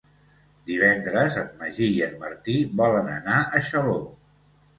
Divendres en Magí i en Martí volen anar a Xaló.